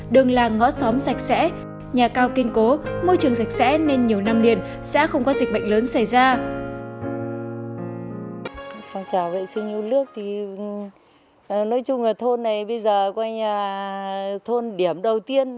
đừng là ngõ xóm sạch sẽ nhà cao kinh cố môi trường sạch sẽ nên nhiều năm liền xã không có dịch bệnh lớn xảy ra